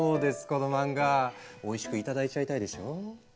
この漫画おいしく頂いちゃいたいでしょ？